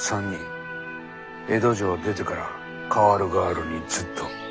江戸城を出てから代わる代わるにずっと。